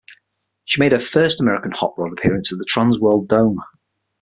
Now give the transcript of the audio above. She made her first American hot rod appearance at the Trans World Dome.